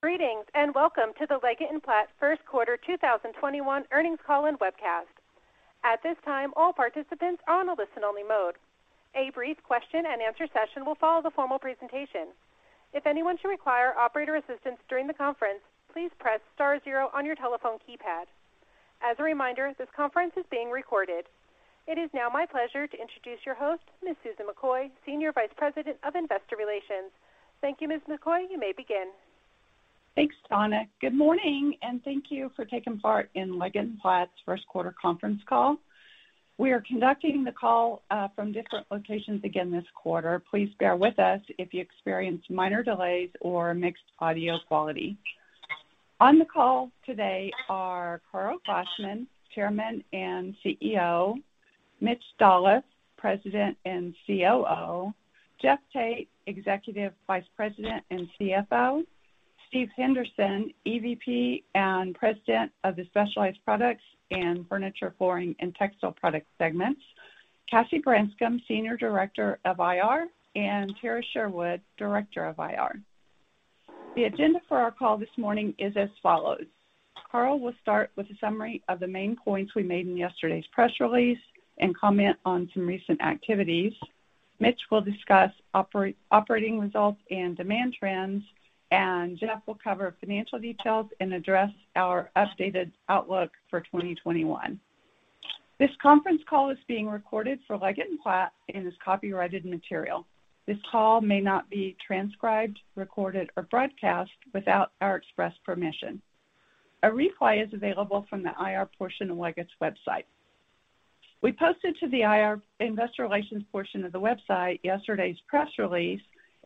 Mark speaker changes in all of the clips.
Speaker 1: Greetings, welcome to the Leggett & Platt first quarter 2021 earnings call and webcast. At this time, all participants are on a listen-only mode. A brief question and answer session will follow the formal presentation. If anyone should require operator assistance during the conference, please press star zero on your telephone keypad. As a reminder, this conference is being recorded. It is now my pleasure to introduce your host, Ms. Susan McCoy, Senior Vice President of Investor Relations. Thank you, Ms. McCoy. You may begin.
Speaker 2: Thanks, Donna. Good morning, and thank you for taking part in Leggett & Platt's first quarter conference call. We are conducting the call from different locations again this quarter. Please bear with us if you experience minor delays or mixed audio quality. On the call today are Karl Glassman, Chairman and CEO, Mitch Dolloff, President and COO, Jeff Tate, Executive Vice President and CFO, Steve Henderson, EVP and President of the Specialized Products and Furniture, Flooring & Textile Products segments, Cassie Branscum, Senior Director of IR, and Tarah Sherwood, Director of IR. The agenda for our call this morning is as follows. Karl will start with a summary of the main points we made in yesterday's press release and comment on some recent activities. Mitch will discuss operating results and demand trends, and Jeff will cover financial details and address our updated outlook for 2021. This conference call is being recorded for Leggett & Platt and is copyrighted material. This call may not be transcribed, recorded, or broadcast without our express permission. A replay is available from the IR portion of Leggett's website. We posted to the IR Investor Relations portion of the website yesterday's press release,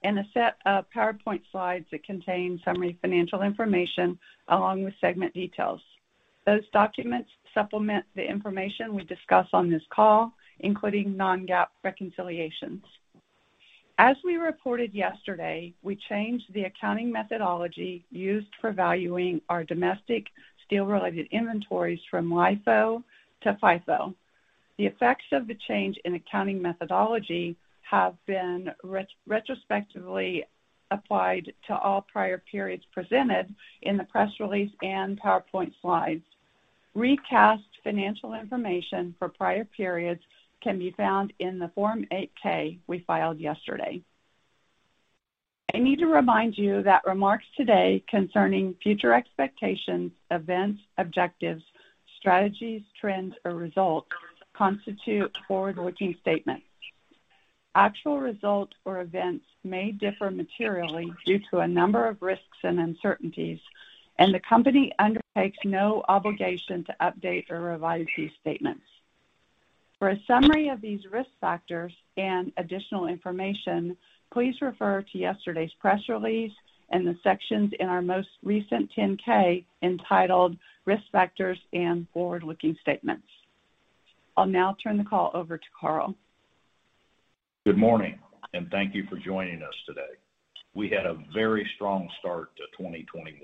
Speaker 2: and a set of PowerPoint slides that contain summary financial information along with segment details. Those documents supplement the information we discuss on this call, including non-GAAP reconciliations. As we reported yesterday, we changed the accounting methodology used for valuing our domestic steel-related inventories from LIFO to FIFO. The effects of the change in accounting methodology have been retrospectively applied to all prior periods presented in the press release and PowerPoint slides. Recast financial information for prior periods can be found in the Form 8-K we filed yesterday. I need to remind you that remarks today concerning future expectations, events, objectives, strategies, trends, or results constitute forward-looking statements. Actual results or events may differ materially due to a number of risks and uncertainties, and the company undertakes no obligation to update or revise these statements. For a summary of these risk factors and additional information, please refer to yesterday's press release and the sections in our most recent 10-K entitled Risk Factors and Forward-Looking Statements. I'll now turn the call over to Karl.
Speaker 3: Good morning, and thank you for joining us today. We had a very strong start to 2021.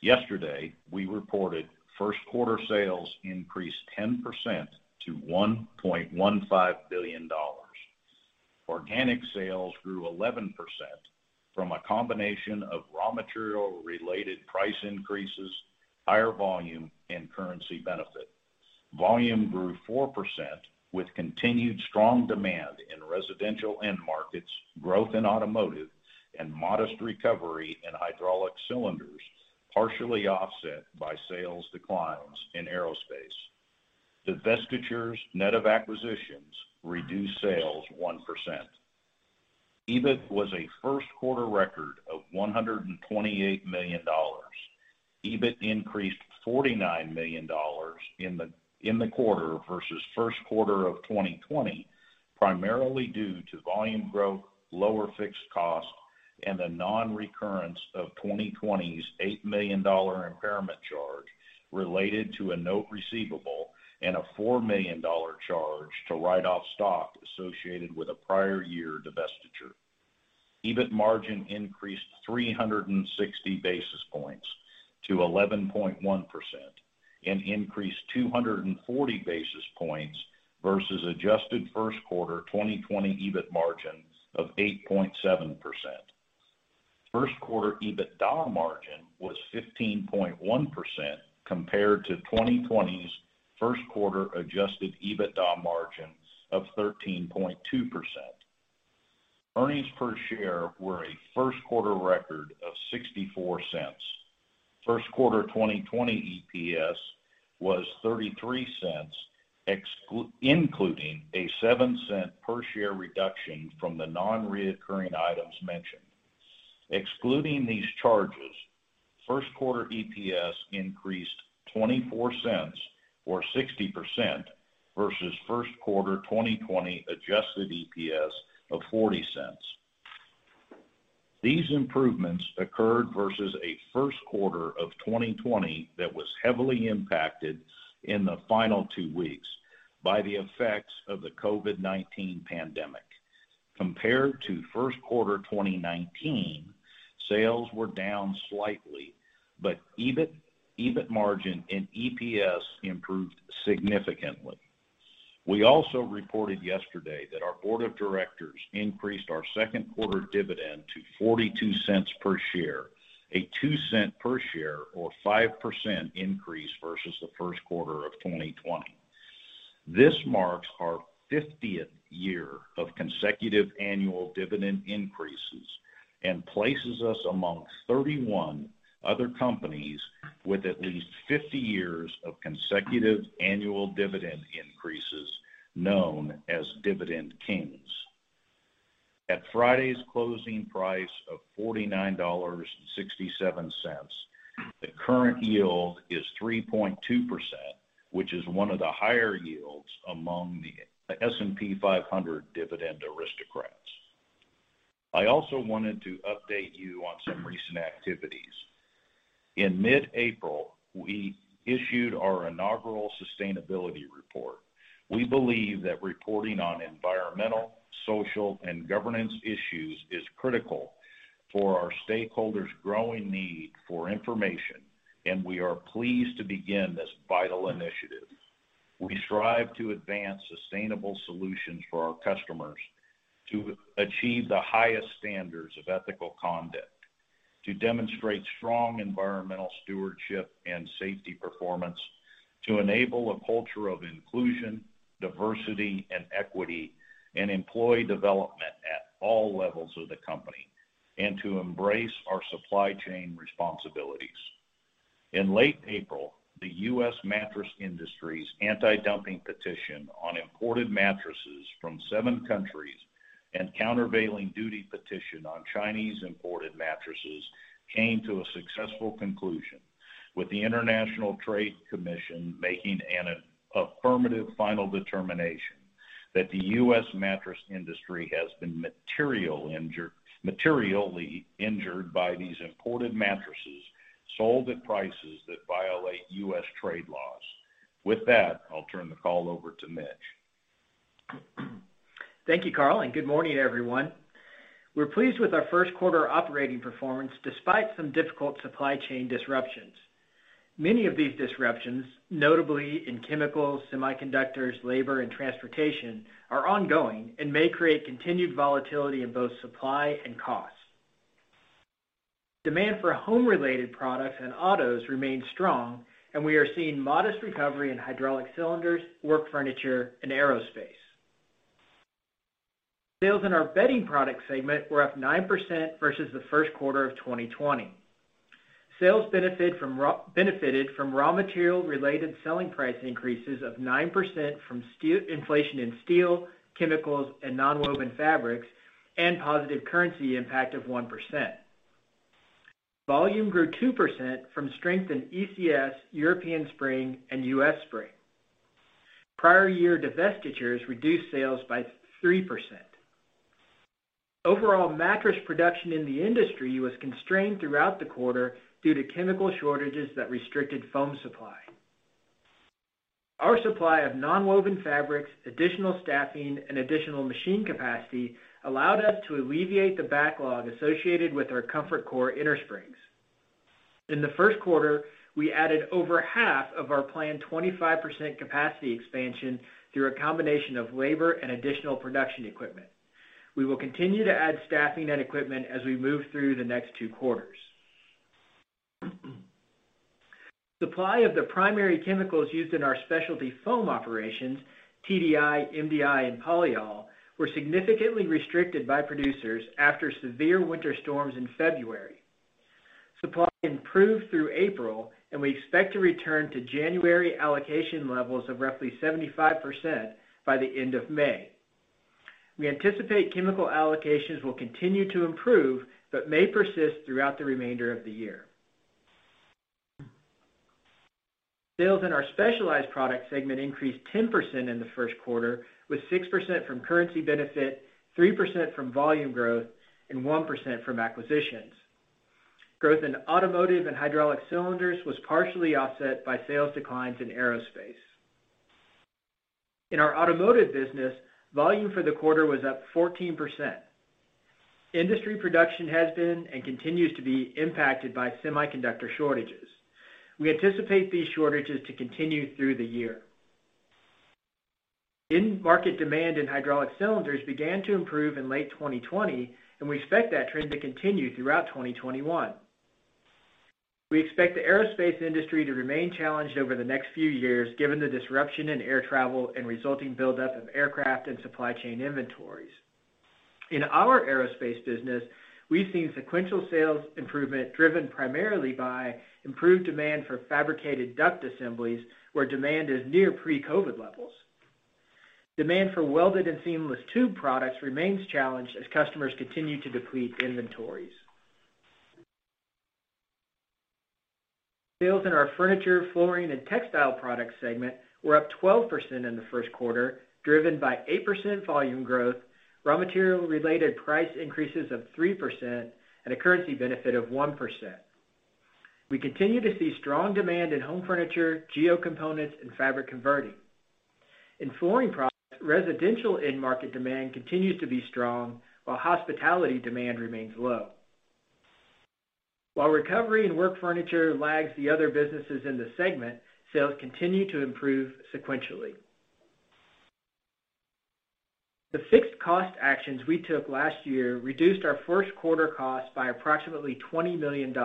Speaker 3: Yesterday, we reported first quarter sales increased 10% to $1.15 billion. Organic sales grew 11% from a combination of raw material-related price increases, higher volume, and currency benefit. Volume grew 4% with continued strong demand in residential end markets, growth in automotive, and modest recovery in hydraulic cylinders, partially offset by sales declines in aerospace. Divestitures, net of acquisitions, reduced sales 1%. EBIT was a first quarter record of $128 million. EBIT increased $49 million in the quarter versus first quarter of 2020, primarily due to volume growth, lower fixed cost, and the non-recurrence of 2020's $8 million impairment charge related to a note receivable, and a $4 million charge to write off stock associated with a prior year divestiture. EBIT margin increased 360 basis points to 11.1%, an increase 240 basis points versus adjusted first quarter 2020 EBIT margin of 8.7%. First quarter EBITDA margin was 15.1% compared to 2020's first quarter Adjusted EBITDA margin of 13.2%. Earnings per share were a first quarter record of $0.64. First quarter 2020 EPS was $0.33, including a $0.07 per share reduction from the non-recurring items mentioned. Excluding these charges, first quarter EPS increased $0.24 or 60% versus first quarter 2020 Adjusted EPS of $0.40. These improvements occurred versus a first quarter of 2020 that was heavily impacted in the final two weeks by the effects of the COVID-19 pandemic. Compared to first quarter 2019, sales were down slightly, EBIT margin and EPS improved significantly. We also reported yesterday that our Board of Directors increased our second quarter dividend to $0.42 per share, a $0.02 per share or 5% increase versus the first quarter of 2020. This marks our 50th year of consecutive annual dividend increases and places us among 31 other companies with at least 50 years of consecutive annual dividend increases, known as Dividend Kings. At Friday's closing price of $49.67, the current yield is 3.2%, which is one of the higher yields among the S&P 500 Dividend Aristocrats. I also wanted to update you on some recent activities. In mid-April, we issued our inaugural sustainability report. We believe that reporting on environmental, social, and governance issues is critical for our stakeholders' growing need for information, and we are pleased to begin this vital initiative. We strive to advance sustainable solutions for our customers to achieve the highest standards of ethical conduct, to demonstrate strong environmental stewardship and safety performance, to enable a culture of inclusion, diversity, and equity, and employee development at all levels of the company, and to embrace our supply chain responsibilities. In late April, the U.S. mattress industry's anti-dumping petition on imported mattresses from seven countries and countervailing duty petition on Chinese imported mattresses came to a successful conclusion with the International Trade Commission making an affirmative final determination that the U.S. mattress industry has been materially injured by these imported mattresses sold at prices that violate U.S. trade laws. With that, I'll turn the call over to Mitch.
Speaker 4: Thank you, Karl, and good morning, everyone. We're pleased with our first quarter operating performance despite some difficult supply chain disruptions. Many of these disruptions, notably in chemicals, semiconductors, labor, and transportation, are ongoing and may create continued volatility in both supply and cost. Demand for home-related products and autos remains strong. We are seeing modest recovery in hydraulic cylinders, work furniture, and aerospace. Sales in our bedding product segment were up 9% versus the first quarter of 2020. Sales benefited from raw material-related selling price increases of 9% from inflation in steel, chemicals, and nonwoven fabrics, and positive currency impact of 1%. Volume grew 2% from strength in ECS, European spring, and U.S. spring. Prior year divestitures reduced sales by 3%. Overall mattress production in the industry was constrained throughout the quarter due to chemical shortages that restricted foam supply. Our supply of nonwoven fabrics, additional staffing, and additional machine capacity allowed us to alleviate the backlog associated with our ComfortCore innersprings. In the first quarter, we added over 1/2 of our planned 25% capacity expansion through a combination of labor and additional production equipment. We will continue to add staffing and equipment as we move through the next two quarters. Supply of the primary chemicals used in our specialty foam operations, TDI, MDI, and polyol, were significantly restricted by producers after severe winter storms in February. Supply improved through April, and we expect to return to January allocation levels of roughly 75% by the end of May. We anticipate chemical allocations will continue to improve but may persist throughout the remainder of the year. Sales in our Specialized Products segment increased 10% in the first quarter, with 6% from currency benefit, 3% from volume growth, and 1% from acquisitions. Growth in automotive and hydraulic cylinders was partially offset by sales declines in aerospace. In our automotive business, volume for the quarter was up 14%. Industry production has been and continues to be impacted by semiconductor shortages. We anticipate these shortages to continue through the year. End market demand in hydraulic cylinders began to improve in late 2020, and we expect that trend to continue throughout 2021. We expect the aerospace industry to remain challenged over the next few years given the disruption in air travel and resulting buildup of aircraft and supply chain inventories. In our aerospace business, we've seen sequential sales improvement driven primarily by improved demand for fabricated duct assemblies where demand is near pre-COVID-19 levels. Demand for welded and seamless tube products remains challenged as customers continue to deplete inventories. Sales in our Furniture, Flooring & Textile Products segment were up 12% in the first quarter, driven by 8% volume growth, raw material related price increases of 3%, and a currency benefit of 1%. We continue to see strong demand in Home Furniture, Geo Components, and Fabric Converting. In flooring products, residential end market demand continues to be strong while hospitality demand remains low. While recovery and Work Furniture lags the other businesses in the segment, sales continue to improve sequentially. The fixed cost actions we took last year reduced our first quarter costs by approximately $20 million.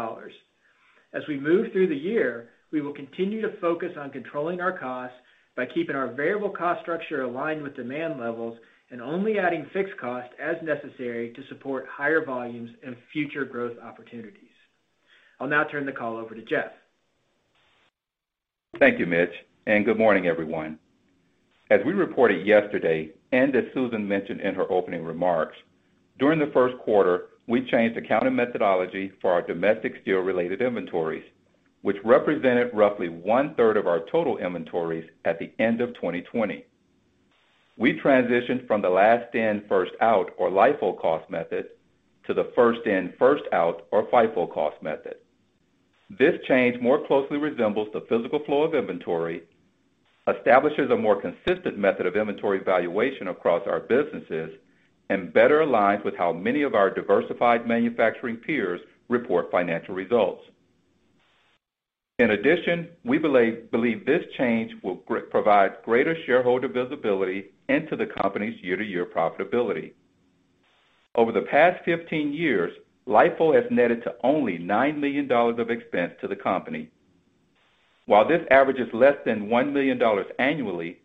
Speaker 4: As we move through the year, we will continue to focus on controlling our costs by keeping our variable cost structure aligned with demand levels and only adding fixed costs as necessary to support higher volumes and future growth opportunities. I'll now turn the call over to Jeff.
Speaker 5: Thank you, Mitch, and good morning, everyone. As we reported yesterday, and as Susan mentioned in her opening remarks, during the first quarter, we changed accounting methodology for our domestic steel-related inventories, which represented roughly 1/3 of our total inventories at the end of 2020. We transitioned from the last in, first out, or LIFO cost method, to the first in, first out, or FIFO cost method. This change more closely resembles the physical flow of inventory, establishes a more consistent method of inventory valuation across our businesses, and better aligns with how many of our diversified manufacturing peers report financial results. In addition, we believe this change will provide greater shareholder visibility into the company's year-to-year profitability. Over the past 15 years, LIFO has netted to only $9 million of expense to the company. While this average is less than $1 million annually,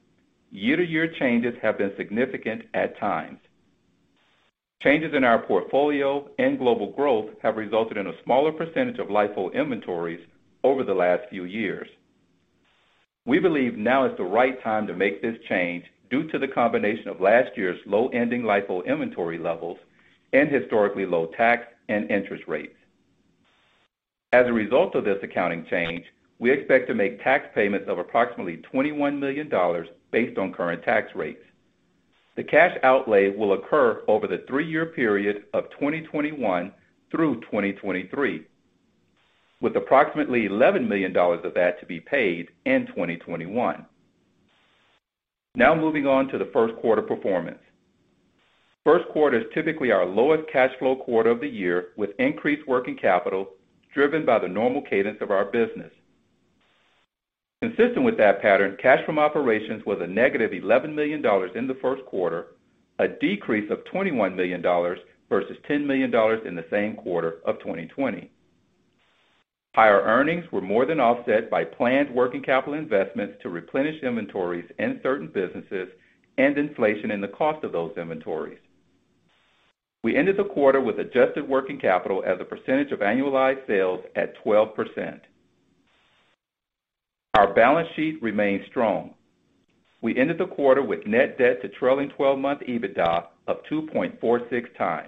Speaker 5: year-to-year changes have been significant at times. Changes in our portfolio and global growth have resulted in a smaller percentage of LIFO inventories over the last few years. We believe now is the right time to make this change due to the combination of last year's low-ending LIFO inventory levels and historically low tax and interest rates. As a result of this accounting change, we expect to make tax payments of approximately $21 million based on current tax rates. The cash outlay will occur over the three-year period of 2021 through 2023, with approximately $11 million of that to be paid in 2021. Now moving on to the first quarter performance. First quarter is typically our lowest cash flow quarter of the year, with increased working capital driven by the normal cadence of our business. Consistent with that pattern, cash from operations was a negative $11 million in the first quarter, a decrease of $21 million versus $10 million in the same quarter of 2020. Higher earnings were more than offset by planned working capital investments to replenish inventories in certain businesses and inflation in the cost of those inventories. We ended the quarter with adjusted working capital as a percentage of annualized sales at 12%. Our balance sheet remains strong. We ended the quarter with net debt to trailing 12-month EBITDA of 2.46x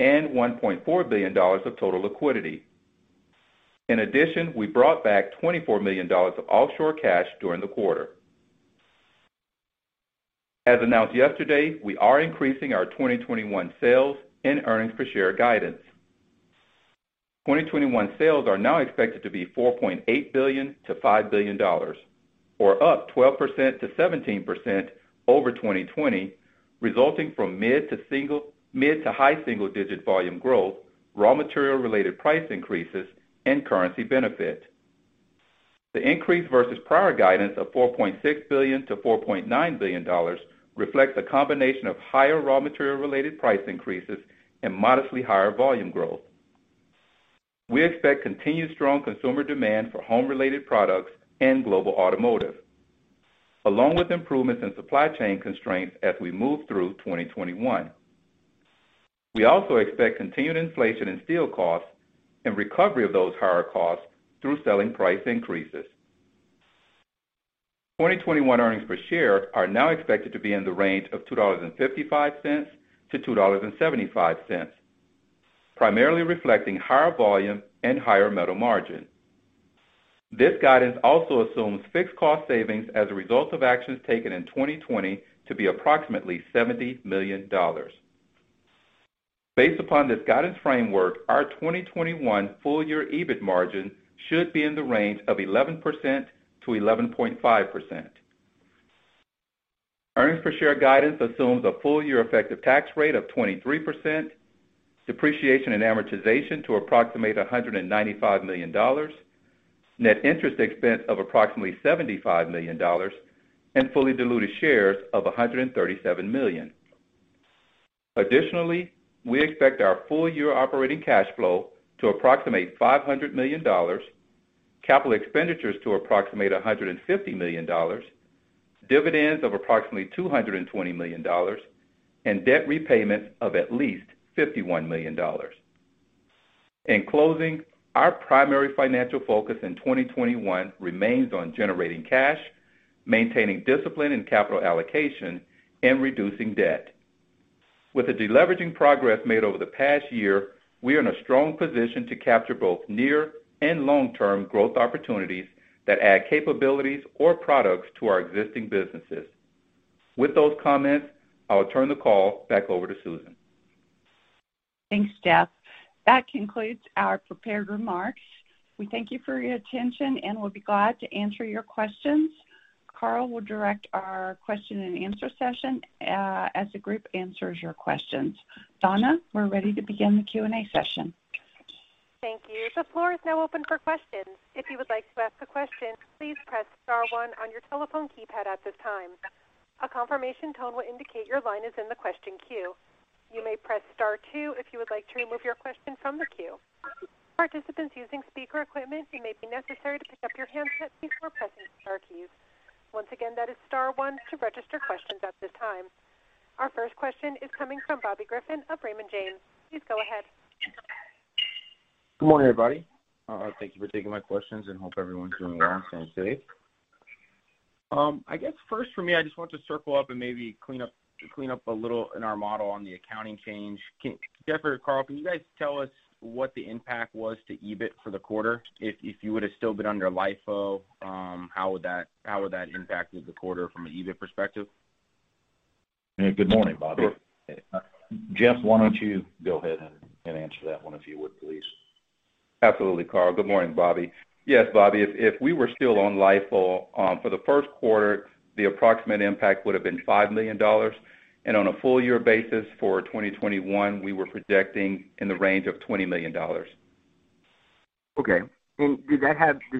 Speaker 5: and $1.4 billion of total liquidity. In addition, we brought back $24 million of offshore cash during the quarter. As announced yesterday, we are increasing our 2021 sales and earnings per share guidance. 2021 sales are now expected to be $4.8 billion-$5 billion, or up 12%-17% over 2020, resulting from mid to high single-digit volume growth, raw material related price increases, and currency benefit. The increase versus prior guidance of $4.6 billion-$4.9 billion reflects a combination of higher raw material related price increases and modestly higher volume growth. We expect continued strong consumer demand for home-related products and global automotive, along with improvements in supply chain constraints as we move through 2021. We also expect continued inflation in steel costs and recovery of those higher costs through selling price increases. 2021 earnings per share are now expected to be in the range of $2.55-$2.75, primarily reflecting higher volume and higher metal margin. This guidance also assumes fixed cost savings as a result of actions taken in 2020 to be approximately $70 million. Based upon this guidance framework, our 2021 full-year EBIT margin should be in the range of 11%-11.5%. Earnings per share guidance assumes a full-year effective tax rate of 23%, depreciation and amortization to approximate $195 million, net interest expense of approximately $75 million, and fully diluted shares of 137 million. Additionally, we expect our full-year operating cash flow to approximate $500 million, capital expenditures to approximate $150 million, dividends of approximately $220 million, and debt repayments of at least $51 million. In closing, our primary financial focus in 2021 remains on generating cash, maintaining discipline in capital allocation, and reducing debt. With the deleveraging progress made over the past year, we are in a strong position to capture both near and long-term growth opportunities that add capabilities or products to our existing businesses. With those comments, I will turn the call back over to Susan.
Speaker 2: Thanks, Jeff. That concludes our prepared remarks. We thank you for your attention and will be glad to answer your questions. Karl will direct our question and answer session as the group answers your questions. Donna, we're ready to begin the Q&A session.
Speaker 1: Thank you. Our first question is coming from Bobby Griffin of Raymond James. Please go ahead.
Speaker 6: Good morning, everybody. Thank you for taking my questions, and hope everyone's doing well and staying safe. I guess first for me, I just want to circle up and maybe clean up a little in our model on the accounting change. Jeff or Karl, can you guys tell us what the impact was to EBIT for the quarter? If you would've still been under LIFO, how would that have impacted the quarter from an EBIT perspective?
Speaker 3: Good morning, Bobby. Jeff, why don't you go ahead and answer that one if you would, please?
Speaker 5: Absolutely, Karl. Good morning, Bobby. Yes, Bobby, if we were still on LIFO, for the first quarter, the approximate impact would've been $5 million, and on a full year basis for 2021, we were projecting in the range of $20 million.
Speaker 6: Okay. Does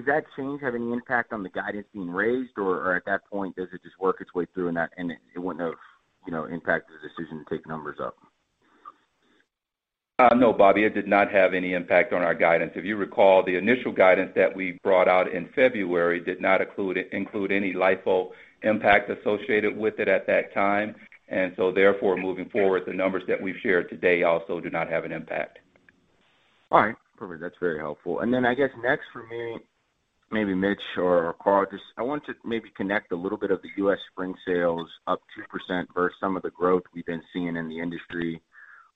Speaker 6: that change have any impact on the guidance being raised, or at that point, does it just work its way through and it wouldn't have impacted the decision to take numbers up?
Speaker 5: No, Bobby, it did not have any impact on our guidance. If you recall, the initial guidance that we brought out in February did not include any LIFO impact associated with it at that time. Therefore, moving forward, the numbers that we've shared today also do not have an impact.
Speaker 6: All right. Perfect. That's very helpful. I guess next for me, maybe Mitch or Karl, just I want to maybe connect a little bit of the U.S. spring sales up 2% versus some of the growth we've been seeing in the industry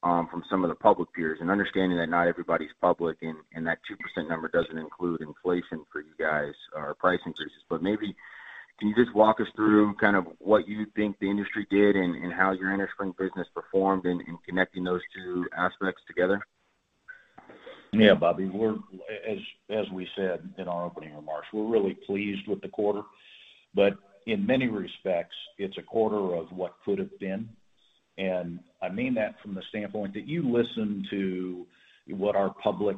Speaker 6: from some of the public peers. Understanding that not everybody's public and that 2% number doesn't include inflation for you guys or price increases. Maybe, can you just walk us through kind of what you think the industry did and how your innerspring business performed in connecting those two aspects together?
Speaker 3: Yeah, Bobby, as we said in our opening remarks, we're really pleased with the quarter, but in many respects, it's a quarter of what could've been. I mean that from the standpoint that you listen to what our public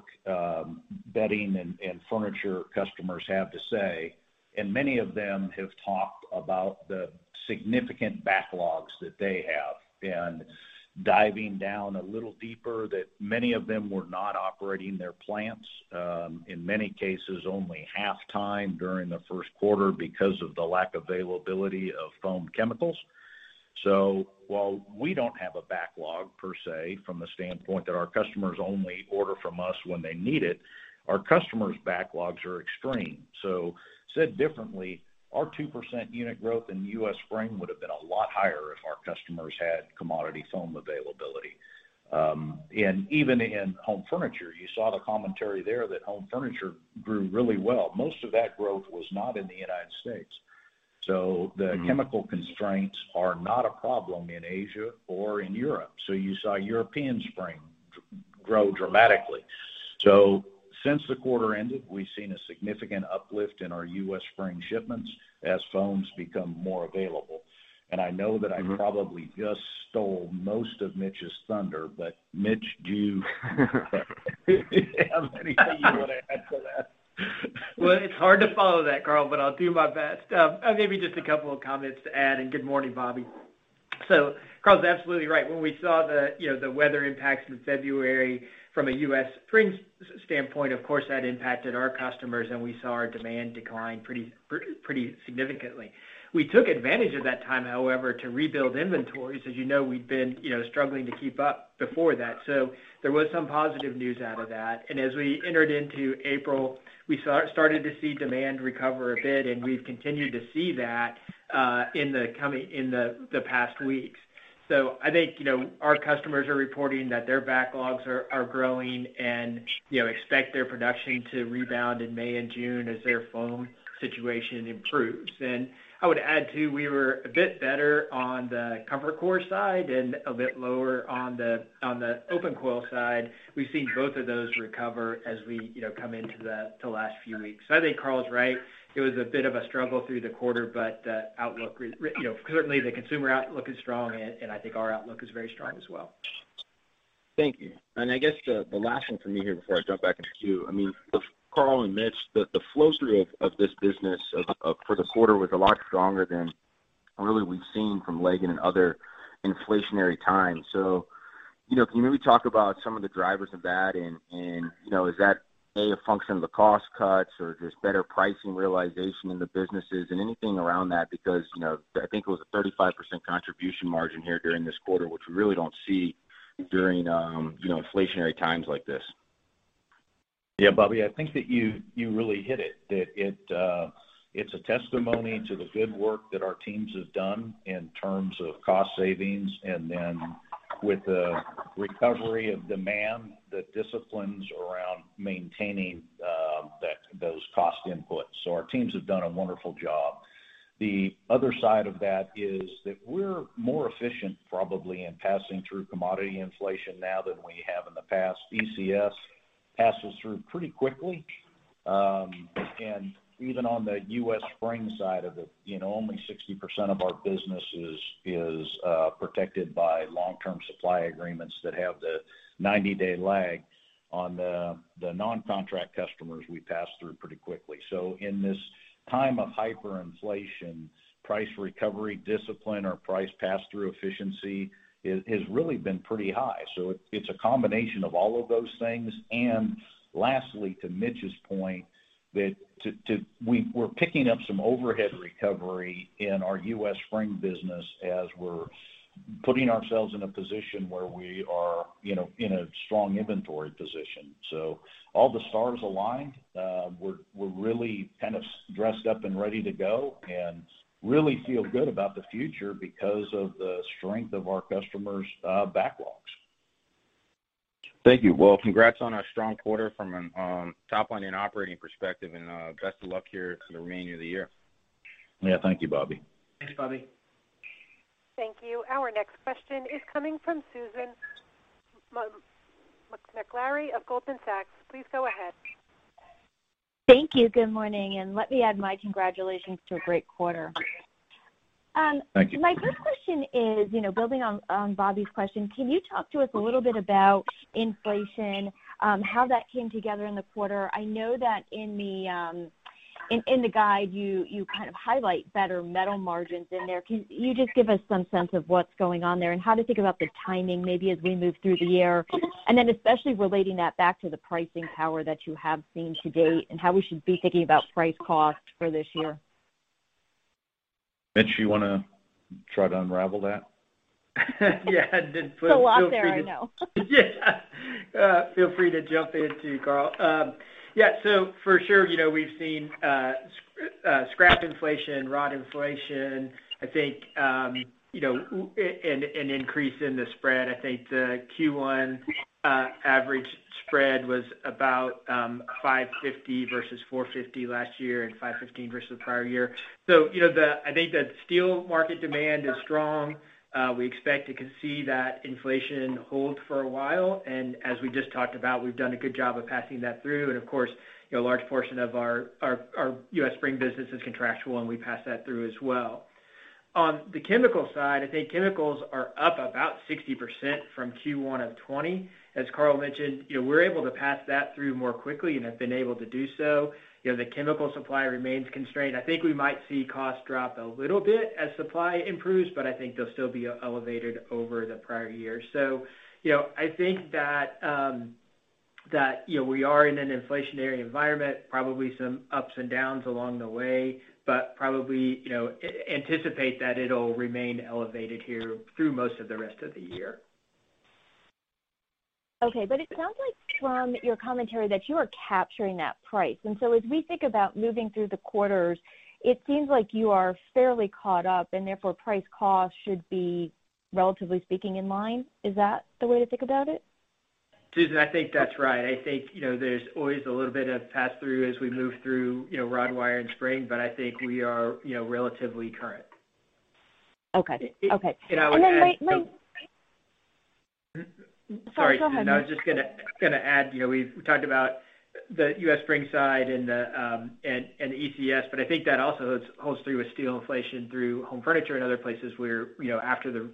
Speaker 3: bedding and furniture customers have to say, and many of them have talked about the significant backlogs that they have. Diving down a little deeper, that many of them were not operating their plants, in many cases only half time during the first quarter because of the lack availability of foam chemicals. While we don't have a backlog per se from the standpoint that our customers only order from us when they need it, our customers' backlogs are extreme. Said differently, our 2% unit growth in U.S. spring would've been a lot higher if our customers had commodity foam availability. Even in Home Furniture, you saw the commentary there that Home Furniture grew really well. Most of that growth was not in the U.S. The chemical constraints are not a problem in Asia or in Europe. You saw European spring grow dramatically. Since the quarter ended, we've seen a significant uplift in our U.S. spring shipments as foams become more available. I know that I probably just stole most of Mitch's thunder, but Mitch, do you have anything you want to add to that?
Speaker 4: It's hard to follow that, Karl, but I'll do my best. Maybe just a couple of comments to add. Good morning, Bobby. Karl's absolutely right. When we saw the weather impacts in February from a U.S. spring standpoint, of course, that impacted our customers, and we saw our demand decline pretty significantly. We took advantage of that time, however, to rebuild inventories. As you know, we'd been struggling to keep up before that. There was some positive news out of that. As we entered into April, we started to see demand recover a bit, and we've continued to see that in the past weeks. I think our customers are reporting that their backlogs are growing and expect their production to rebound in May and June as their foam situation improves. I would add, too, we were a bit better on the ComfortCore side and a bit lower on the open coil side. We've seen both of those recover as we come into the last few weeks. I think Karl's right. It was a bit of a struggle through the quarter, but certainly the consumer outlook is strong, and I think our outlook is very strong as well.
Speaker 6: Thank you. I guess the last one for me here before I jump back in the queue, Karl and Mitch, the flow through of this business for the quarter was a lot stronger than really we've seen from Leggett in other inflationary times. Can you maybe talk about some of the drivers of that and is that A, a function of the cost cuts or just better pricing realization in the businesses and anything around that? Because I think it was a 35% contribution margin here during this quarter, which we really don't see during inflationary times like this.
Speaker 3: Yeah, Bobby, I think that you really hit it, that it's a testimony to the good work that our teams have done in terms of cost savings and then with the recovery of demand, the disciplines around maintaining those cost inputs. Our teams have done a wonderful job. The other side of that is that we're more efficient probably in passing through commodity inflation now than we have in the past. ECS Passes through pretty quickly. Even on the U.S. spring side of it, only 60% of our business is protected by long-term supply agreements that have the 90-day lag on the non-contract customers we pass through pretty quickly. In this time of hyperinflation, price recovery discipline or price pass-through efficiency has really been pretty high. It's a combination of all of those things. Lastly, to Mitch's point, that we're picking up some overhead recovery in our U.S. spring business as we're putting ourselves in a position where we are in a strong inventory position. All the stars aligned. We're really kind of dressed up and ready to go and really feel good about the future because of the strength of our customers' backlogs.
Speaker 6: Thank you. Well, congrats on a strong quarter from a top line and operating perspective and best of luck here for the remainder of the year.
Speaker 3: Yeah. Thank you, Bobby.
Speaker 4: Thanks, Bobby.
Speaker 1: Thank you. Our next question is coming from Susan Maklari of Goldman Sachs. Please go ahead.
Speaker 7: Thank you. Good morning, and let me add my congratulations to a great quarter.
Speaker 3: Thank you.
Speaker 7: My first question is building on Bobby's question. Can you talk to us a little bit about inflation, how that came together in the quarter? I know that in the guide you kind of highlight better metal margins in there. Can you just give us some sense of what's going on there and how to think about the timing maybe as we move through the year? Especially relating that back to the pricing power that you have seen to date, and how we should be thinking about price cost for this year.
Speaker 3: Mitch, you want to try to unravel that?
Speaker 4: Yeah.
Speaker 7: There's a lot there, I know.
Speaker 4: Yeah. Feel free to jump in too, Karl. For sure, we've seen scrap inflation, rod inflation, I think, an increase in the spread. I think the Q1 average spread was about 550 versus 450 last year and 515 versus the prior year. I think that steel market demand is strong. We expect to see that inflation hold for a while, and as we just talked about, we've done a good job of passing that through. Of course, a large portion of our U.S. spring business is contractual, and we pass that through as well. On the chemical side, I think chemicals are up about 60% from Q1 of 2020. As Karl mentioned, we're able to pass that through more quickly and have been able to do so. The chemical supply remains constrained. I think we might see costs drop a little bit as supply improves, but I think they'll still be elevated over the prior year. I think that we are in an inflationary environment, probably some ups and downs along the way, but probably anticipate that it'll remain elevated here through most of the rest of the year.
Speaker 7: Okay. It sounds like from your commentary that you are capturing that price. As we think about moving through the quarters, it seems like you are fairly caught up and therefore price cost should be, relatively speaking, in line. Is that the way to think about it?
Speaker 4: Susan, I think that's right. I think there's always a little bit of pass-through as we move through rod, wire, and spring, but I think we are relatively current.
Speaker 7: Okay.
Speaker 4: And I would add some-
Speaker 7: Sorry, go ahead.
Speaker 4: Sorry. I was just going to add, we've talked about the U.S. spring side and the ECS, but I think that also holds through with steel inflation through Home Furniture and other places where,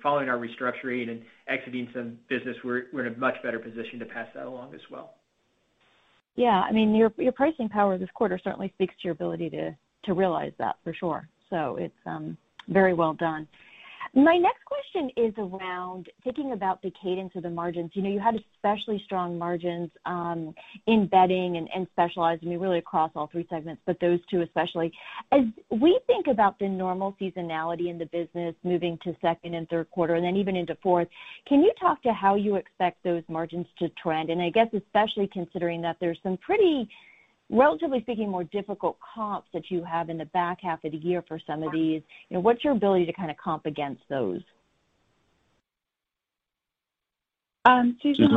Speaker 4: following our restructuring and exiting some business, we're in a much better position to pass that along as well.
Speaker 7: Yeah. Your pricing power this quarter certainly speaks to your ability to realize that, for sure. It's very well done. My next question is around thinking about the cadence of the margins. You had especially strong margins in Bedding and Specialized, really across all three segments, but those two especially. As we think about the normal seasonality in the business moving to second and third quarter and then even into fourth, can you talk to how you expect those margins to trend? I guess especially considering that there's some pretty, relatively speaking, more difficult comps that you have in the back half of the year for some of these. What's your ability to kind of comp against those?
Speaker 2: Susan,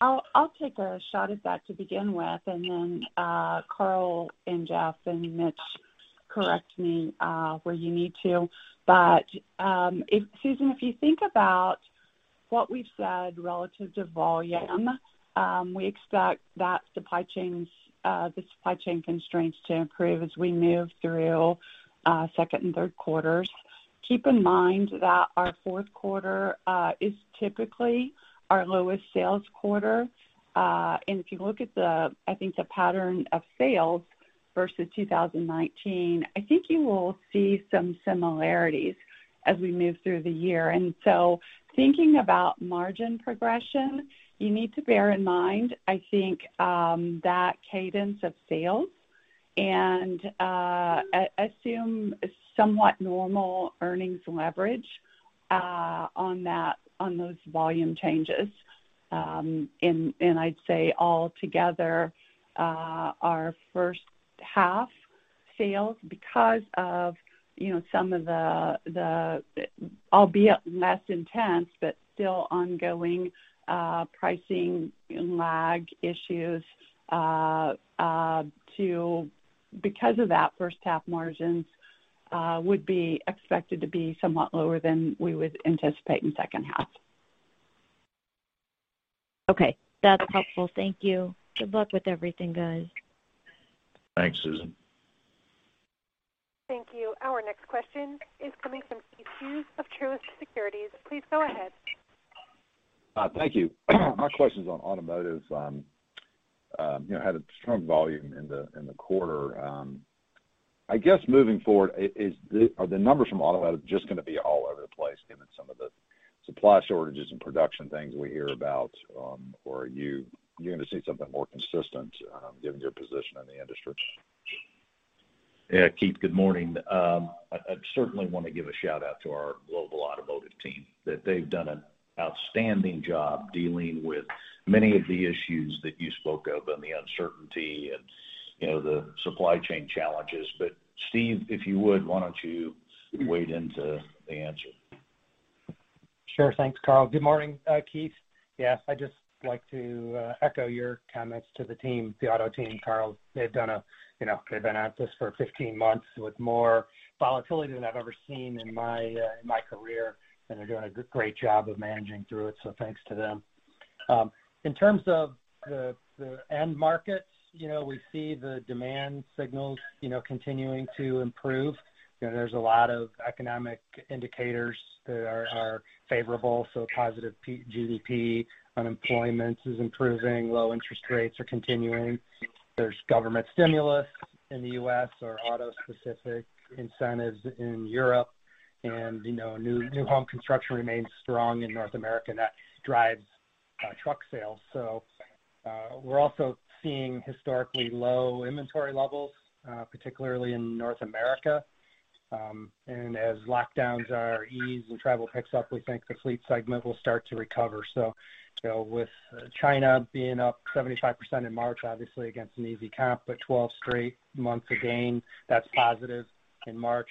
Speaker 2: I'll take a shot at that to begin with, and then Karl and Jeff and Mitch, correct me where you need to. Susan, if you think about what we've said relative to volume, we expect the supply chain constraints to improve as we move through second and third quarters. Keep in mind that our fourth quarter is typically our lowest sales quarter. If you look at, I think, the pattern of sales versus 2019, I think you will see some similarities as we move through the year. So thinking about margin progression, you need to bear in mind, I think, that cadence of sales and assume somewhat normal earnings leverage on those volume changes. I'd say all together, our first half sales, because of some of the, albeit less intense, but still ongoing pricing lag issues to Because of that, first half margins would be expected to be somewhat lower than we would anticipate in second half.
Speaker 7: Okay.
Speaker 2: Okay.
Speaker 7: That's helpful. Thank you. Good luck with everything, guys.
Speaker 3: Thanks, Susan.
Speaker 1: Thank you. Our next question is coming from Keith Hughes of Truist Securities. Please go ahead.
Speaker 8: Thank you. My question's on automotive. Had a strong volume in the quarter. I guess, moving forward, are the numbers from automotive just going to be all over the place given some of the supply shortages and production things we hear about, or are you going to see something more consistent given your position in the industry?
Speaker 3: Yeah, Keith, good morning. I certainly want to give a shout-out to our global automotive team, that they've done an outstanding job dealing with many of the issues that you spoke of, and the uncertainty and the supply chain challenges. Steve, if you would, why don't you wade into the answer?
Speaker 9: Sure. Thanks, Karl. Good morning, Keith. Yes, I'd just like to echo your comments to the team, the auto team, Karl. They've been at this for 15 months with more volatility than I've ever seen in my career, and they're doing a great job of managing through it, so thanks to them. In terms of the end markets, we see the demand signals continuing to improve. There's a lot of economic indicators that are favorable, so positive GDP, unemployment is improving, low interest rates are continuing. There's government stimulus in the U.S., or auto specific incentives in Europe, and new home construction remains strong in North America, and that drives truck sales. We're also seeing historically low inventory levels, particularly in North America. As lockdowns are eased and travel picks up, we think the fleet segment will start to recover. With China being up 75% in March, obviously against an easy comp, but 12 straight months of gain, that's positive. In March,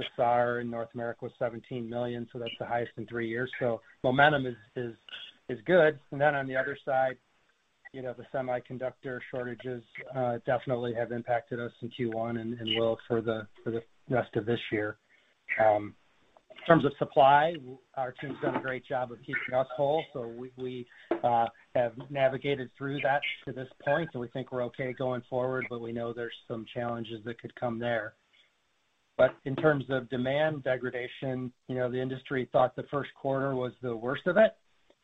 Speaker 9: the SAAR in North America was 17 million, that's the highest in three years. On the other side, the semiconductor shortages definitely have impacted us in Q1 and will for the rest of this year. In terms of supply, our team's done a great job of keeping us whole. We have navigated through that to this point, we think we're okay going forward, but we know there's some challenges that could come there. In terms of demand degradation, the industry thought the first quarter was the worst of it.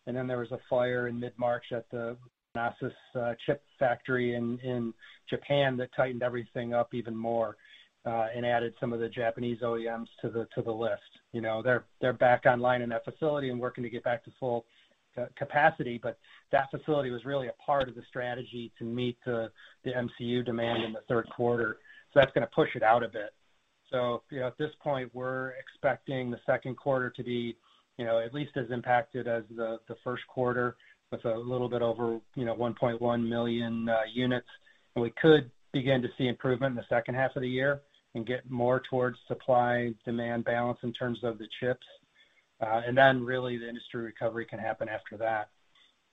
Speaker 9: There was a fire in mid-March at the Renesas chip factory in Japan that tightened everything up even more, and added some of the Japanese OEMs to the list. They're back online in that facility and working to get back to full capacity, but that facility was really a part of the strategy to meet the MCU demand in the third quarter, so that's going to push it out a bit. At this point, we're expecting the second quarter to be at least as impacted as the first quarter with a little bit over 1.1 million units. We could begin to see improvement in the second half of the year and get more towards supply/demand balance in terms of the chips. Really, the industry recovery can happen after that.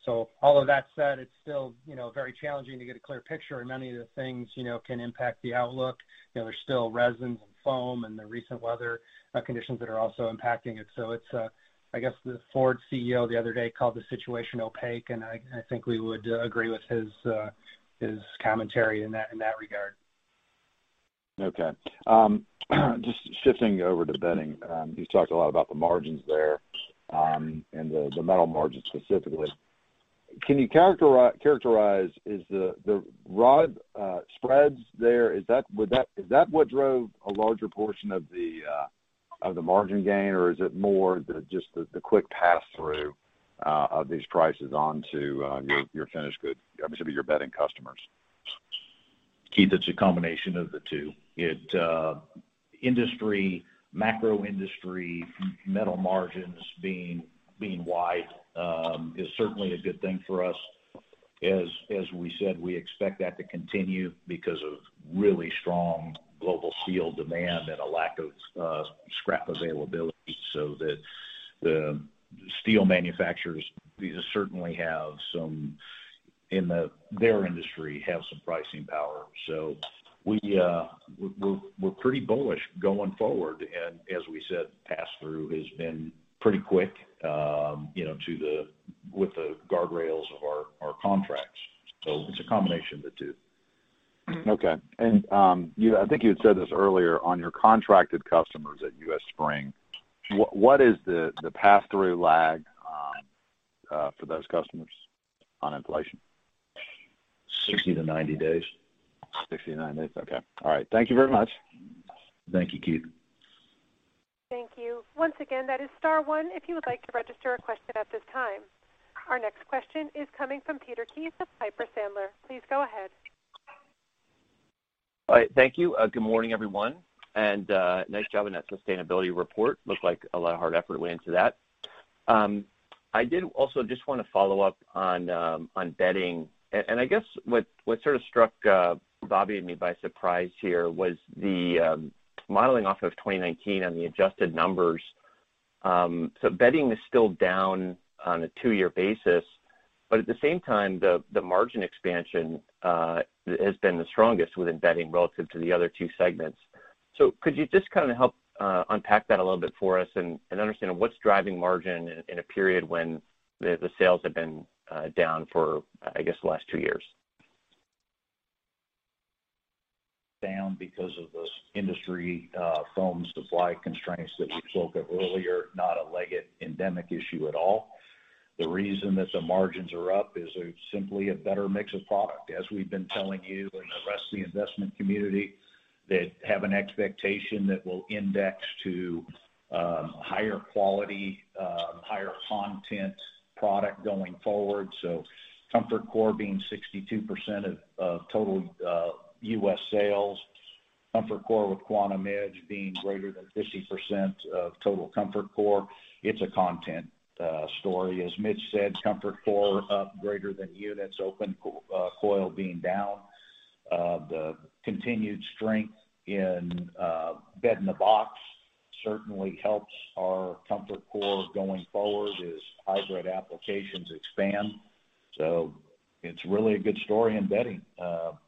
Speaker 9: All of that said, it's still very challenging to get a clear picture, and many of the things can impact the outlook. There's still resins and foam and the recent weather conditions that are also impacting it. I guess the Ford CEO the other day called the situation opaque, and I think we would agree with his commentary in that regard.
Speaker 8: Okay. Just shifting over to bedding. You talked a lot about the margins there, and the metal margins specifically. Can you characterize, is the raw spreads there, is that what drove a larger portion of the margin gain, or is it more the quick pass through of these prices onto your finished good, obviously, your bedding customers?
Speaker 3: Keith, it's a combination of the two. Macro industry metal margins being wide is certainly a good thing for us. As we said, we expect that to continue because of really strong global steel demand and a lack of scrap availability, so that the steel manufacturers certainly have some, in their industry, have some pricing power. We're pretty bullish going forward. As we said, pass through has been pretty quick with the guardrails of our contracts. It's a combination of the two.
Speaker 8: Okay. I think you had said this earlier, on your contracted customers at US Spring, what is the pass through lag for those customers on inflation?
Speaker 3: 60-90 days.
Speaker 8: 60-90 days. Okay. All right. Thank you very much.
Speaker 3: Thank you, Keith.
Speaker 1: Thank you. Once again, that is star one if you would like to register a question at this time. Our next question is coming from Peter Keith with Piper Sandler. Please go ahead.
Speaker 10: All right. Thank you. Good morning, everyone. Nice job on that sustainability report. Looked like a lot of hard effort went into that. I did also just want to follow up on bedding. I guess what sort of struck Bobby and me by surprise here was the modeling off of 2019 on the adjusted numbers. Bedding is still down on a two-year basis, but at the same time, the margin expansion has been the strongest within bedding relative to the other two segments. Could you just help unpack that a little bit for us and understand what's driving margin in a period when the sales have been down for, I guess, the last two years?
Speaker 3: Down because of the industry foam supply constraints that we spoke of earlier, not a Leggett endemic issue at all. The reason that the margins are up is simply a better mix of product, as we've been telling you and the rest of the investment community, that have an expectation that we'll index to higher quality, higher content product going forward. ComfortCore being 62% of total U.S. sales, ComfortCore with Quantum Edge being greater than 50% of total ComfortCore, it's a content story. As Mitch said, ComfortCore up greater than, that's open coil being down. The continued strength in bed-in-a-box certainly helps our ComfortCore going forward as hybrid applications expand. It's really a good story in bedding.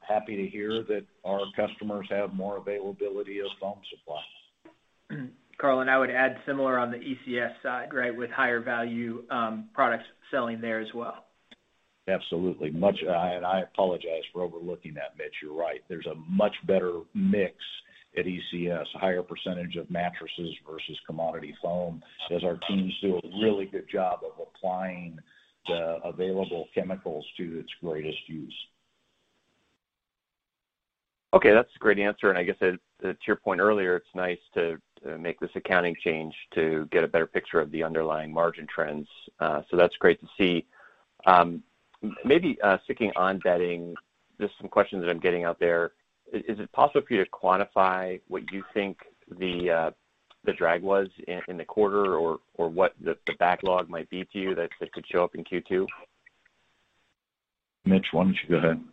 Speaker 3: Happy to hear that our customers have more availability of foam supply.
Speaker 4: Karl, I would add similar on the ECS side, right? With higher value products selling there as well.
Speaker 3: Absolutely. I apologize for overlooking that, Mitch, you're right. There's a much better mix at ECS, a higher percentage of mattresses versus commodity foam, as our teams do a really good job of applying the available chemicals to its greatest use.
Speaker 10: Okay. That's a great answer, and I guess to your point earlier, it's nice to make this accounting change to get a better picture of the underlying margin trends. That's great to see. Maybe sticking on bedding, just some questions that I'm getting out there. Is it possible for you to quantify what you think the drag was in the quarter or what the backlog might be to you that could show up in Q2?
Speaker 3: Mitch, why don't you go ahead?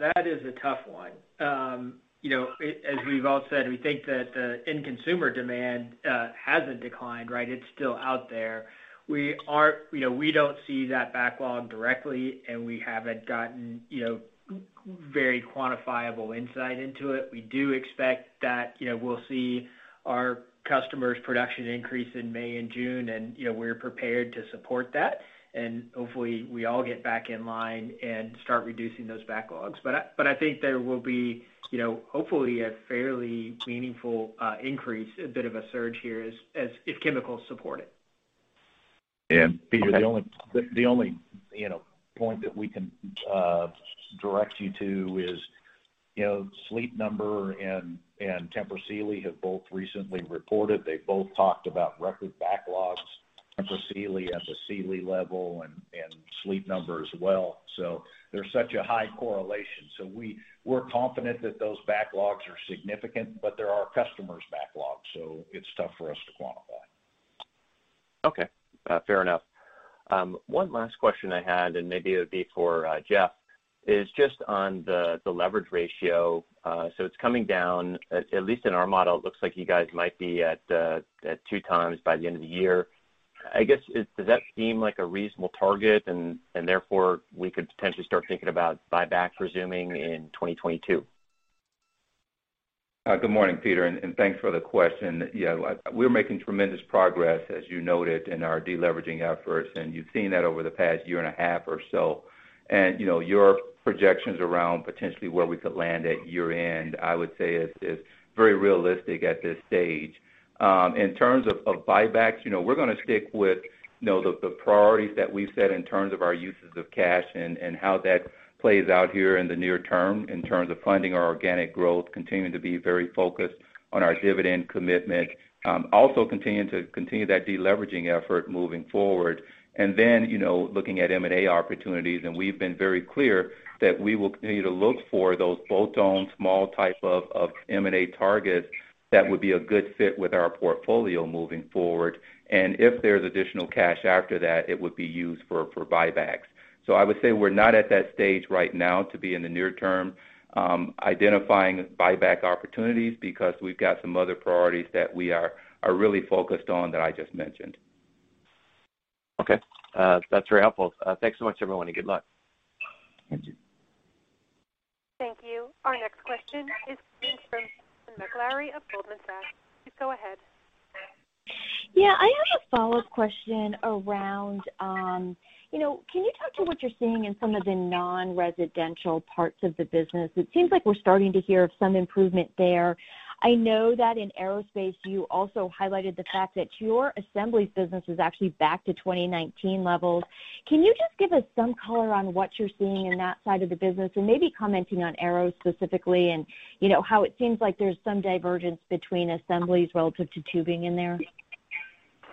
Speaker 4: That is a tough one. As we've all said, we think that the end consumer demand hasn't declined, right? It's still out there. We don't see that backlog directly, and we haven't gotten very quantifiable insight into it. We do expect that we'll see our customers' production increase in May and June, and we're prepared to support that, and hopefully we all get back in line and start reducing those backlogs. I think there will be hopefully a fairly meaningful increase, a bit of a surge here if chemicals support it.
Speaker 3: Peter, the only point that we can direct you to is Sleep Number and TEMPUR Sealy have both recently reported. They both talked about record backlogs, TEMPUR Sealy at the Sealy level and Sleep Number as well. There's such a high correlation. We're confident that those backlogs are significant, but they're our customers' backlogs, so it's tough for us to quantify.
Speaker 10: Okay. Fair enough. One last question I had, maybe it would be for Jeff, is just on the leverage ratio. It's coming down, at least in our model, it looks like you guys might be at two times by the end of the year. I guess, does that seem like a reasonable target and therefore we could potentially start thinking about buyback resuming in 2022?
Speaker 5: Good morning, Peter, and thanks for the question. Yeah, we're making tremendous progress, as you noted, in our de-leveraging efforts, and you've seen that over the past year and a half or so. Your projections around potentially where we could land at year-end, I would say is very realistic at this stage. In terms of buybacks, we're going to stick with the priorities that we've set in terms of our uses of cash and how that plays out here in the near term in terms of funding our organic growth, continuing to be very focused on our dividend commitment. Also continuing to continue that de-leveraging effort moving forward. Looking at M&A opportunities, and we've been very clear that we will continue to look for those bolt-on, small type of M&A targets that would be a good fit with our portfolio moving forward. If there's additional cash after that, it would be used for buybacks. I would say we're not at that stage right now to be in the near term identifying buyback opportunities because we've got some other priorities that we are really focused on that I just mentioned.
Speaker 10: Okay. That's very helpful. Thanks so much, everyone, and good luck.
Speaker 5: Thank you.
Speaker 1: Thank you. Our next question is from Susan Maklari of Goldman Sachs. Please go ahead.
Speaker 7: Yeah. I have a follow-up question around, can you talk to what you're seeing in some of the non-residential parts of the business? It seems like we're starting to hear of some improvement there. I know that in aerospace, you also highlighted the fact that your assemblies business is actually back to 2019 levels. Can you just give us some color on what you're seeing in that side of the business and maybe commenting on aero specifically and how it seems like there's some divergence between assemblies relative to tubing in there?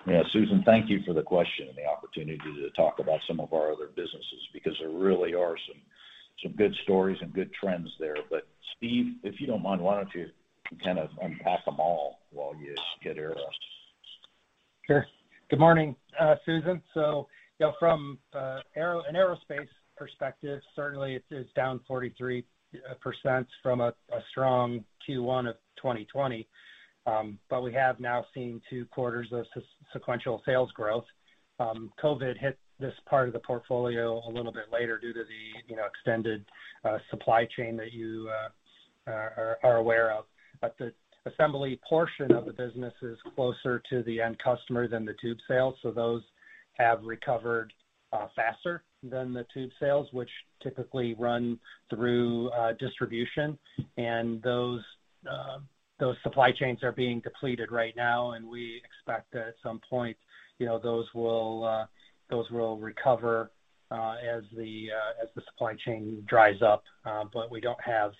Speaker 3: Yeah, Susan, thank you for the question and the opportunity to talk about some of our other businesses, because there really are some good stories and good trends there. Steve, if you don't mind, why don't you kind of unpack them all while you hit aero?
Speaker 9: Sure. Good morning, Susan. From an aerospace perspective, certainly it is down 43% from a strong Q1 of 2020. We have now seen two quarters of sequential sales growth. COVID hit this part of the portfolio a little bit later due to the extended supply chain that you are aware of. The assembly portion of the business is closer to the end customer than the tube sales, so those have recovered faster than the tube sales, which typically run through distribution. Those supply chains are being depleted right now, and we expect at some point, those will recover as the supply chain dries up. We don't have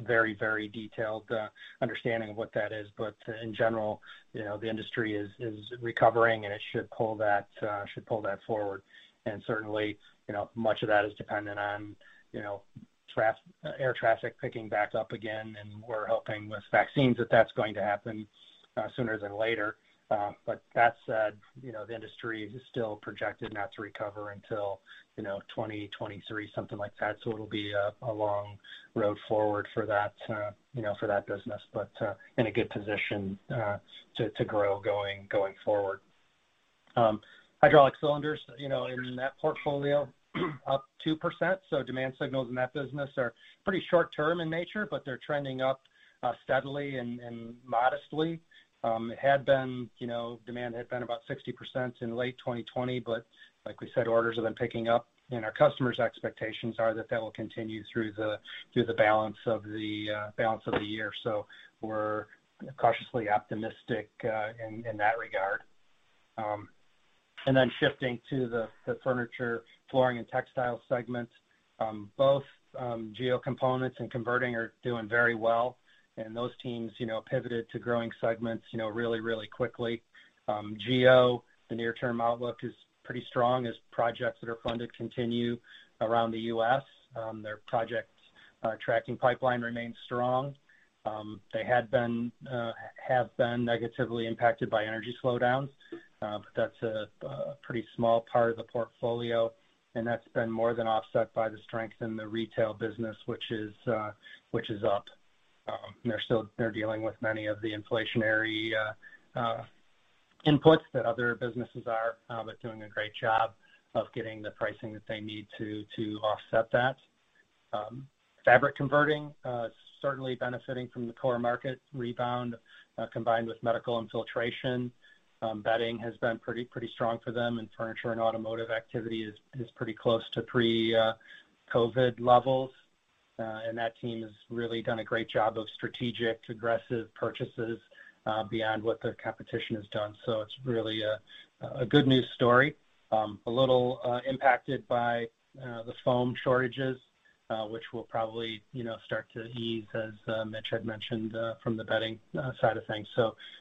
Speaker 9: a very detailed understanding of what that is. In general, the industry is recovering, and it should pull that forward. Certainly, much of that is dependent on air traffic picking back up again, and we're hoping with vaccines that that's going to happen sooner than later. That said, the industry is still projected not to recover until 2023, something like that. It'll be a long road forward for that business, but in a good position to grow going forward. Hydraulic cylinders, in that portfolio, up 2%. Demand signals in that business are pretty short term in nature, but they're trending up steadily and modestly. Demand had been about 60% in late 2020, but like we said, orders have been picking up, and our customers' expectations are that that will continue through the balance of the year. We're cautiously optimistic in that regard. Shifting to the Furniture, Flooring and Textile Products segments. Both Geo Components and Converting are doing very well. Those teams pivoted to growing segments really quickly. Geo, the near-term outlook is pretty strong as projects that are funded continue around the U.S. Their project tracking pipeline remains strong. They have been negatively impacted by energy slowdowns. That's a pretty small part of the portfolio. That's been more than offset by the strength in the retail business, which is up. They're dealing with many of the inflationary inputs that other businesses are, doing a great job of getting the pricing that they need to offset that. Fabric converting certainly benefiting from the core market rebound, combined with medical and filtration. Bedding has been pretty strong for them. Furniture and automotive activity is pretty close to pre-COVID levels. That team has really done a great job of strategic, aggressive purchases beyond what the competition has done. It's really a good news story. A little impacted by the foam shortages, which will probably start to ease, as Mitch had mentioned, from the bedding side of things.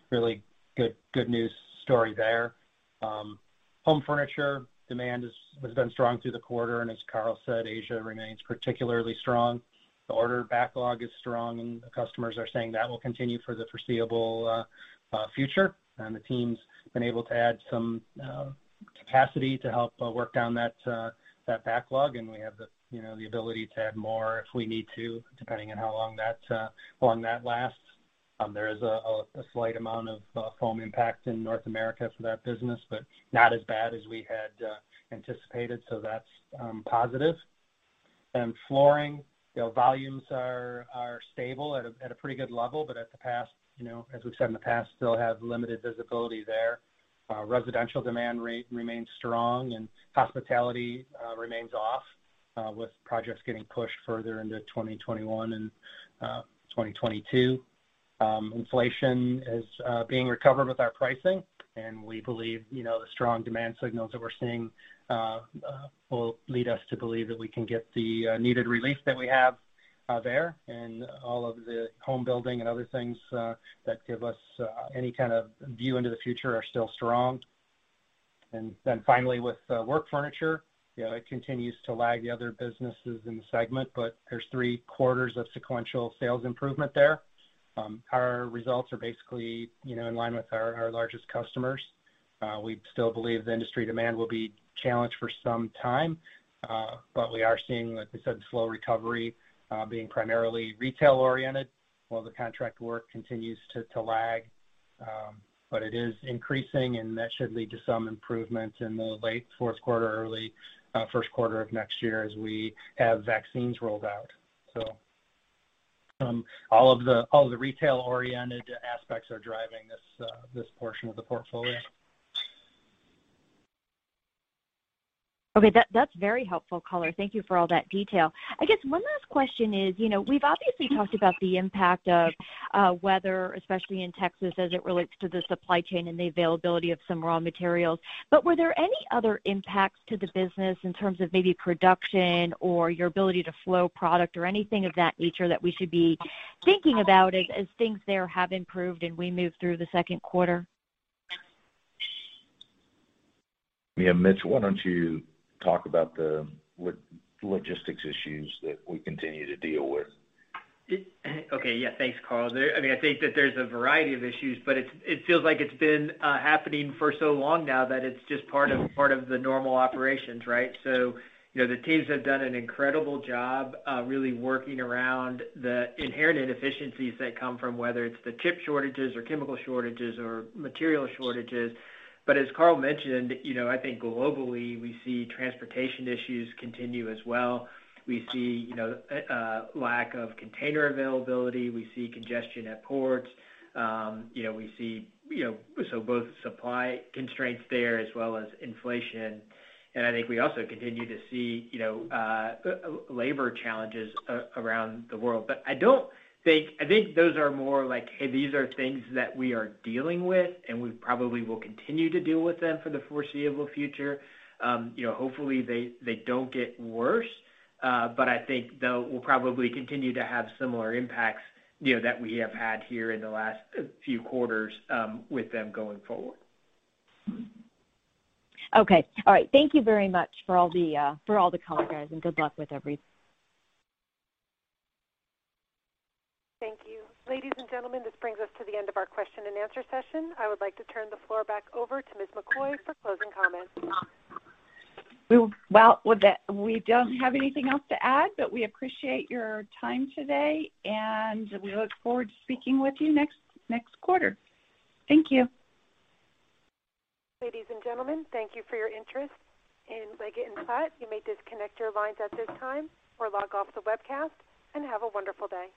Speaker 9: Really good news story there. Home Furniture demand has been strong through the quarter, and as Karl said, Asia remains particularly strong. The order backlog is strong, and the customers are saying that will continue for the foreseeable future. The team's been able to add some capacity to help work down that backlog. We have the ability to add more if we need to, depending on how long that lasts. There is a slight amount of foam impact in North America for that business, but not as bad as we had anticipated, so that's positive. Flooring. Their volumes are stable at a pretty good level, but as we've said in the past, still have limited visibility there. Residential demand remains strong, and hospitality remains off, with projects getting pushed further into 2021 and 2022. Inflation is being recovered with our pricing, and the strong demand signals that we're seeing will lead us to believe that we can get the needed relief that we have there. All of the home building and other things that give us any kind of view into the future are still strong. Finally, with Work Furniture, it continues to lag the other businesses in the segment, but there's three quarters of sequential sales improvement there. Our results are basically in line with our largest customers. We still believe the industry demand will be challenged for some time. We are seeing, like we said, slow recovery being primarily retail-oriented while the contract work continues to lag. It is increasing, and that should lead to some improvements in the late fourth quarter, early first quarter of next year as we have vaccines rolled out. All of the retail-oriented aspects are driving this portion of the portfolio.
Speaker 7: Okay. That's very helpful, color. Thank you for all that detail. I guess one last question is, we've obviously talked about the impact of weather, especially in Texas as it relates to the supply chain and the availability of some raw materials. Were there any other impacts to the business in terms of maybe production or your ability to flow product or anything of that nature that we should be thinking about as things there have improved and we move through the second quarter?
Speaker 3: Yeah, Mitch, why don't you talk about the logistics issues that we continue to deal with?
Speaker 4: Okay. Yeah. Thanks, Karl. I think that there's a variety of issues, but it feels like it's been happening for so long now that it's just part of the normal operations, right? The teams have done an incredible job really working around the inherent inefficiencies that come from, whether it's the chip shortages or chemical shortages or material shortages. As Karl mentioned, I think globally, we see transportation issues continue as well. We see lack of container availability. We see congestion at ports. Both supply constraints there as well as inflation. I think we also continue to see labor challenges around the world. I think those are more like, hey, these are things that we are dealing with, and we probably will continue to deal with them for the foreseeable future. Hopefully, they don't get worse but I think they will probably continue to have similar impacts that we have had here in the last few quarters with them going forward.
Speaker 7: Okay. All right. Thank you very much for all the color, guys, and good luck with everything.
Speaker 1: Thank you. Ladies and gentlemen, this brings us to the end of our question and answer session. I would like to turn the floor back over to Ms. McCoy for closing comments.
Speaker 2: Well, we don't have anything else to add, but we appreciate your time today, and we look forward to speaking with you next quarter. Thank you.
Speaker 1: Ladies and gentlemen, thank you for your interest in Leggett & Platt. You may disconnect your lines at this time or log off the webcast, and have a wonderful day.